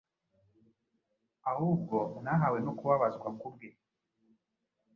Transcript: ahubwo mwahawe no kubabazwa ku bwe: